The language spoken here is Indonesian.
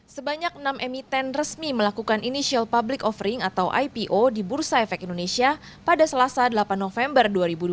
sebanyak enam emiten resmi melakukan initial public offering atau ipo di bursa efek indonesia pada selasa delapan november dua ribu dua puluh